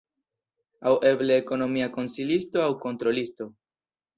Aŭ eble ekonomia konsilisto aŭ kontrolisto.